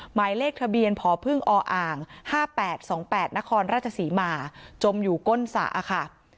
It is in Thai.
หมายเลขทะเบียนพพึ่งออ่าง๕๘๒๘นครราชสีหมาจมอยู่ก้นสระค่ะ